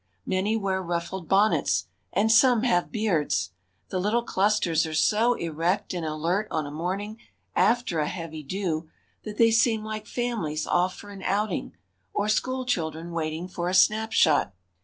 Many wear ruffled bonnets, and some have beards. The little clusters are so erect and alert on a morning after a heavy dew that they seem like families off for an outing or school children waiting for a snap shot.